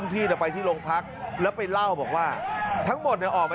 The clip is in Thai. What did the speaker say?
จริงจริงจริงจริงจริง